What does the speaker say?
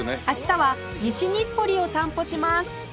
明日は西日暮里を散歩します